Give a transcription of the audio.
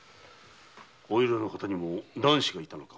お由良の方にも男子がいたのか。